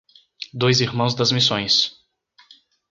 Dois Irmãos das Missões